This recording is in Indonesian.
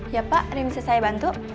ya pak rim saya bantu